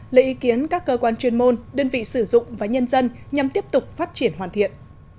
lấy ý kiến các cơ quan chuyên môn đơn vị sử dụng và nhân dân nhằm tiếp tục phát triển hoàn thiện